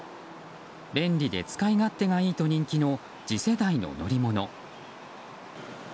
便利で使い勝手がいいと人気の次世代の乗り物。